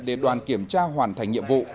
để đoàn kiểm tra hoàn thành nhiệm vụ